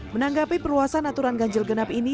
menanggapi perluasan aturan ganjil genap ini